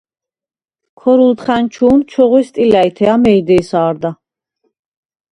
ქორულთხა̈ნჩუ̄ნ ჩოღვე სტილა̈ჲთე, ამეი დე̄სა არდა.